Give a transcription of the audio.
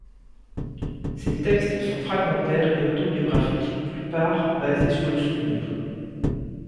Ses textes sont fragmentaires et autobiographiques, plupart basés sur le souvenir.